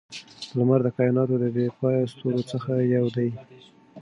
لمر د کائناتو د بې پایه ستورو څخه یو دی.